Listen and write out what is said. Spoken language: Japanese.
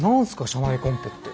社内コンペって。